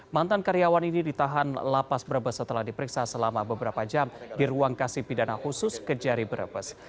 mantan karyawan ini ditahan lapas brebes setelah diperiksa selama beberapa jam di ruang kasih pidana khusus kejari brebes